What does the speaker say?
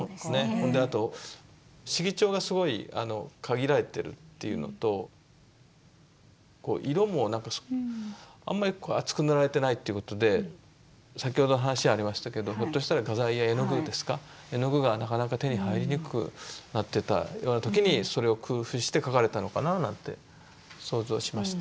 それであと色調がすごい限られてるっていうのと色もあんまり厚く塗られてないってことで先ほど話ありましたけどひょっとしたら画材や絵の具ですか絵の具がなかなか手に入りにくくなってたような時にそれを工夫して描かれたのかなぁなんて想像しました。